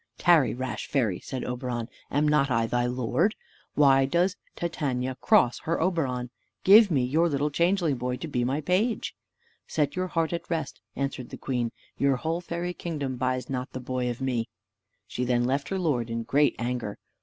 "Tarry, rash fairy," said Oberon; "am not I thy lord? Why does Titania cross her Oberon? Give me your little changeling boy to be my page." "Set your heart at rest," answered the queen; "your whole fairy kingdom buys not the boy of me." She then left her lord in great anger.